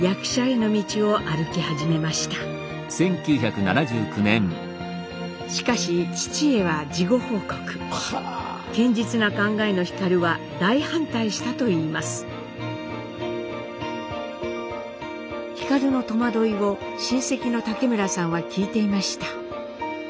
皓の戸惑いを親戚の竹村さんは聞いていました。